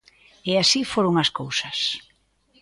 E así foron as cousas.